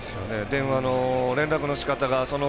電話の連絡のしかたが。